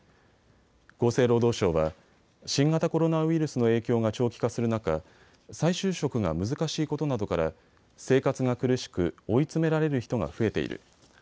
厚生労働省は新型コロナウイルスの影響が長期化する中、再就職が難しいことなどから生活が苦しく、追い詰められる人が増えている。